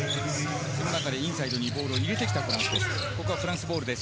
インサイドにボールを入れてきたフランスです。